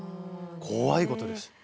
怖いことです。